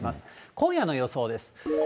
今夜の予想です。